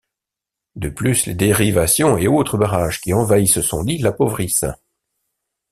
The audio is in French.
De plus, les dérivations et autres barrages qui envahissent son lit l’appauvrissent.